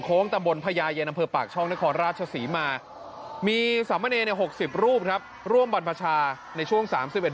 โครงการบรรพชาสรรพเนรภาคลุ้นร้อน